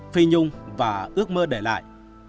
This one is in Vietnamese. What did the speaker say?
phi nhung và ước mơ để lại